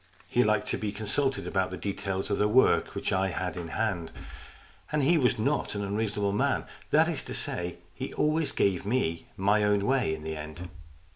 He liked to be consulted about the details of the work which I had in hand, and he LOCRIS OF THE TOWER 201 was not an unreasonable man ; that is to say, he always gave me my own way in the end.